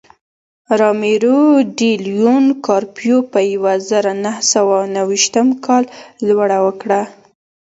رامیرو ډي لیون کارپیو په یوه زرو نهه سوه نهه ویشتم کال لوړه وکړه.